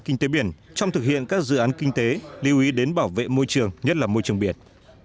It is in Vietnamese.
kinh tế biển trong thực hiện các dự án kinh tế lưu ý đến bảo vệ môi trường nhất là môi trường biển